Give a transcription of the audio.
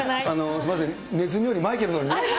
すみません、ネズミよりマイケルが。